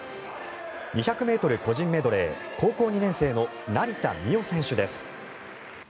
２００ｍ個人メドレー高校２年生の成田実生選手です。